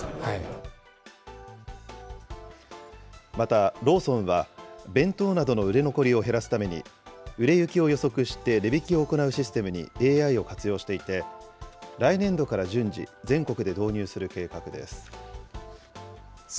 また、ローソンは弁当などの売れ残りを減らすために、売れ行きを予測して値引きを行うシステムにＡＩを活用していて、来年度から順次、全国で導入する計画です。